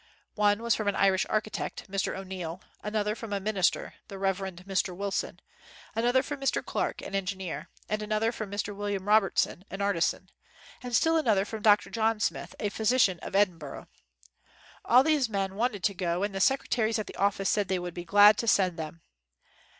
One was from an Irish architect, Mr. O'Neill; an other, from a minister, the Rev. Mr. Wilson ; another from Mr. Clark, an engineer; and another from Mr. "William Robertson, an artisan; and still another from Dr. John Smith, a physician of Edinburgh. All these men wanted to go, and the secretaries at the office said they would be glad to send them.